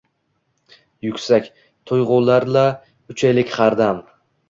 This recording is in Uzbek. Yuksak, tuyg’ular-la uchaylik har dam.